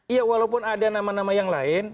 iya walaupun ada nama nama yang lain